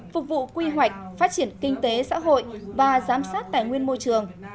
phục vụ quy hoạch phát triển kinh tế xã hội và giám sát tài nguyên môi trường